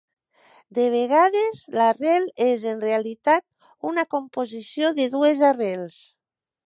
De vegades l'arrel és en realitat una composició de dues arrels.